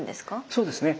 そうですね。